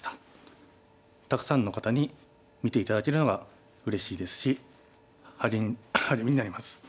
たくさんの方に見て頂けるのがうれしいですし励みになります。